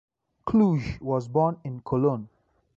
Kluge was born in Cologne.